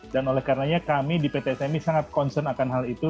dan oleh karenanya kami di pt smi sangat concern akan hal itu